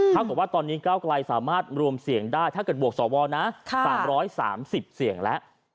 กับว่าตอนนี้ก้าวไกลสามารถรวมเสียงได้ถ้าเกิดบวกสวนะ๓๓๐เสียงแล้ว